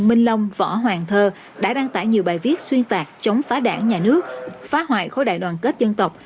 minh long võ hoàng thơ đã đăng tải nhiều bài viết xuyên tạc chống phá đảng nhà nước phá hoại khối đại đoàn kết dân tộc